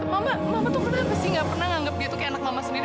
mama mama tuh kenapa sih gak pernah nganggep dia tuh kayak anak mama sendiri